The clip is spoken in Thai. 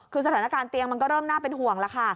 คือสถานการณ์เตียงมันก็เริ่มน่าเป็นห่วงแล้วค่ะ